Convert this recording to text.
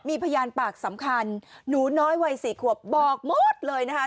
มีพยานปากสำคัญหนูน้อยวัย๔ขวบบอกหมดเลยนะคะ